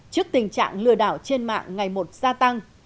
trước tình trạng lừa đảo trên mạng ngày một gia tăng